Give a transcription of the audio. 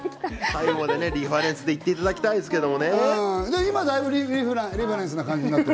最後までリファレンスで行っていただきたいんですけど。